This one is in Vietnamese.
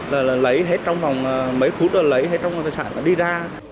là lấy hết trong vòng mấy phút là lấy hết trong tài sản là đi ra